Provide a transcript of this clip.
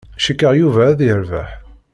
Cikkeɣ Yuba ad yerbeḥ.